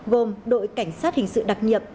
gồm đội cảnh sát hình sự đặc nhiệm